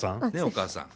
お母さん。